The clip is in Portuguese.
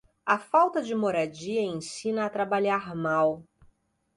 A falta de moradia ensina a trabalhar mal.